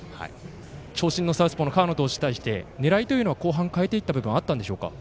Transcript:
長身サウスポーの河野投手に対して後半に狙いを変えていった部分はあったんでしょうか。